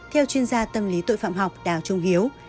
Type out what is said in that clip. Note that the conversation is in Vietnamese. theo chuyên gia tâm lý tội phạm học đào trung hiếu